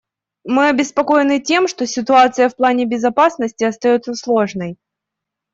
Мы обеспокоены тем, что ситуация в плане безопасности остается сложной.